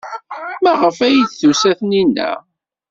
Maɣef ay d-tusa Taninna?